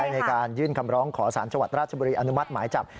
ในการยื่นคำร้องขอสารจังหวัดราชบุรีอนุมัติหมายจับ